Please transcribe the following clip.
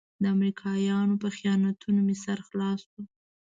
د امریکایانو په خیانتونو مې سر خلاص شو.